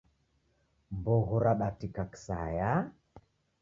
Mbogho radatika kisaya